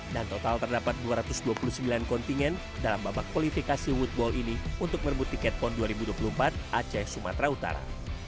dan total terdapat dua ratus dua puluh sembilan kontingen dalam babak kualifikasi woodball ini untuk merebut tiket pon dua ribu dua puluh empat aceh sumatera utara